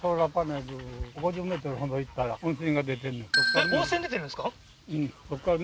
えっ温泉出てるんですか？